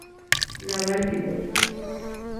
Naval Depot.